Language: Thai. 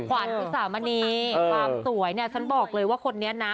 ขวัญอุสามณีความสวยเนี่ยฉันบอกเลยว่าคนนี้นะ